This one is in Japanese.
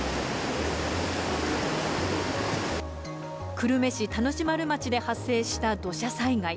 久留米市田主丸町で発生した土砂災害。